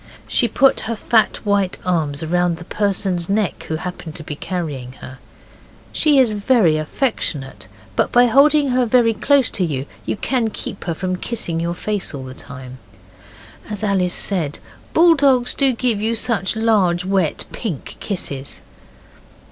She put her fat white arms round the person's neck who happened to be carrying her. She is very affectionate, but by holding her very close to you you can keep her from kissing your face all the time. As Alice said, 'Bulldogs do give you such large, wet, pink kisses.